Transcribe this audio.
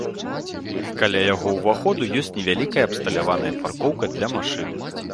Каля яго ўваходу ёсць невялікая абсталяваная паркоўка для машын.